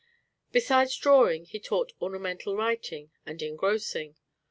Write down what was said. Besides drawing he taught ornamental writing and engrossing.